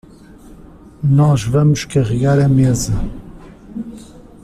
Nós vamos carregar a mesa.